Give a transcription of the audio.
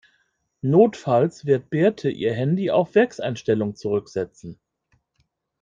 Notfalls wird Birte ihr Handy auf Werkseinstellungen zurücksetzen.